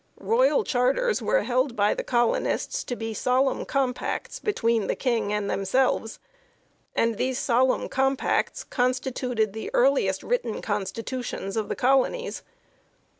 Royal charters were held by the colonists to be solemn compacts between the King and themselves; and these solemn compacts consti tuted the earliest written constitutions of the colonies.